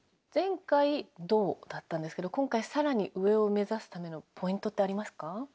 前回銅だったんですけど今回更に上を目指すためのポイントってありますか？